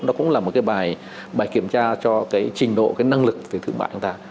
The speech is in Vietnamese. nó cũng là một cái bài kiểm tra cho cái trình độ cái năng lực về thương mại của ta